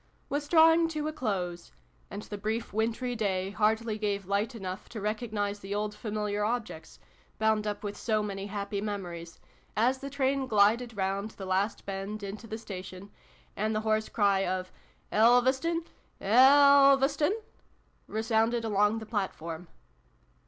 was drawing to a close, and the brief wintry day hardly gave light enough to recognise the old familiar objects, bound up with so many happy memories, as the train glided round the last bend into the station, and the hoarse cry of " Elveston ! Elveston !" resounded along the platform.